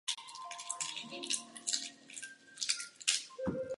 Slouží především pro fotbalové zápasy.